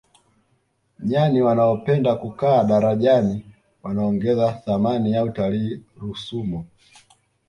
nyani wanaopenda kukaa darajani wanaongeza thamani ya utalii rusumo